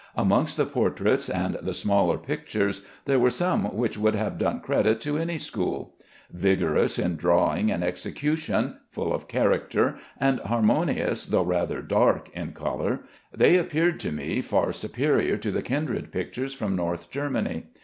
Amongst the portraits and the smaller pictures there were some which would have done credit to any school. Vigorous in drawing and execution, full of character, and harmonious though rather dark in color, they appeared to me far superior to the kindred pictures from North Germany.